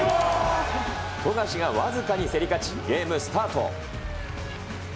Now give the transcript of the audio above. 富樫が僅かに競り勝ち、ゲームスタート。